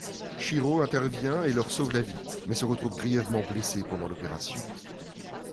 Shiro intervient et leur sauve la vie, mais se retrouve grièvement blessé pendant l'opération.